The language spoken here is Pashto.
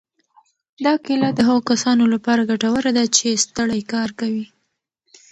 دا کیله د هغو کسانو لپاره ګټوره ده چې ستړی کار کوي.